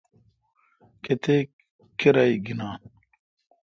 کتیک کرائ گینان؟